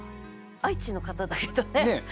愛知の方だけどね。